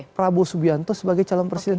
prabowo subianto sebagai calon presiden